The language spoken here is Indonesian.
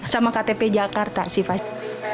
sama ktp jakarta sih pak